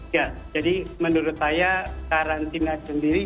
ya jadi menurut saya karantina sendiri